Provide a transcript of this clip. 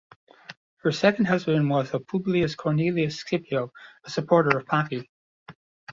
Her second husband was a Publius Cornelius Scipio, a supporter of Pompey.